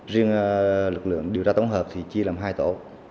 riêng lực lượng điều tra tổng hợp thì chia làm hai tổ